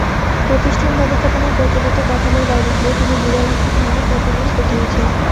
প্রতিষ্ঠান ব্যবস্থাপনার প্রচলিত কাঠামোর বাইরে গিয়ে তিনি বিরল একটি ধারার প্রচলন ঘটিয়েছেন।